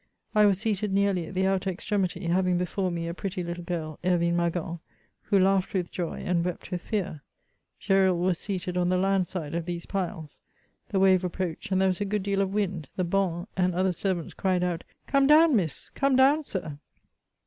I was seated nearly at the outer extremity, having before me a pretty little girl, Hervine Magon, who laughed with joy, and wept with fear. Gesnl was seated on the land side of these piles. The wave approached, and there was a good deal of wind ; the bonnes and other servants cried out, " Come down. Miss !"" Come down, Sir